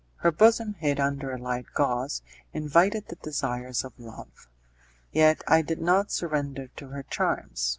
Her bosom, hid under a light gauze, invited the desires of love; yet I did not surrender to her charms.